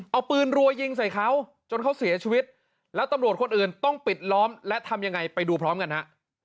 เอาปืนรัวยิงใส่เขาจนเขาเสียชีวิตแล้วตำรวจคนอื่นต้องปิดล้อมและทำยังไงไปดูพร้อมกันฮะ